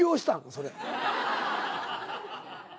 それ。